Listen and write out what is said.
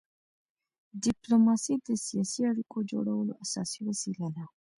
ډيپلوماسي د سیاسي اړیکو جوړولو اساسي وسیله ده.